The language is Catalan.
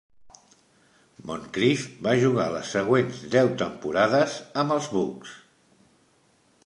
Moncrief va jugar les següents deu temporades amb els Bucks.